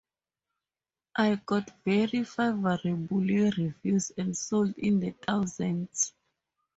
It got very favourable reviews and sold in the thousands.